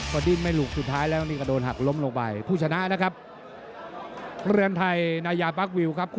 ก็ดิ้งไม่หลุกสุดท้ายและตอนนี้ก็โดนหักล้มลงไปผู้ชนะนะครับ